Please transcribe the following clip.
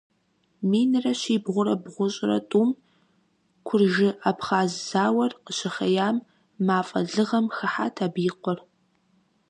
Минрэ щибгъурэ бгъущӀрэ тӀум, куржы-абхъаз зауэр къыщыхъеям, мафӀэ лыгъэм хыхьат абы и къуэр.